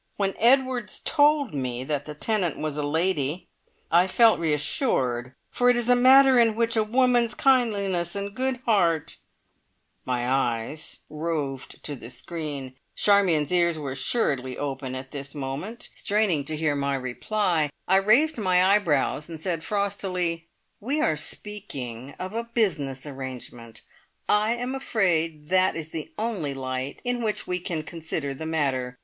When Edwards told me that the tenant was a lady I felt reassured, for it is a matter in which a woman's kindliness and good heart " My eyes roved to the screen. Charmion's ears were assuredly open at this moment, straining to hear my reply. I raised my eyebrows, and said frostily: "We are speaking of a business arrangement. I am afraid that is the only light in which we can consider the matter.